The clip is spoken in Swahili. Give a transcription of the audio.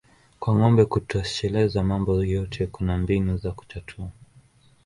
Kwa ngombe hutosheleza mambo yote kuna mbinu za kutatua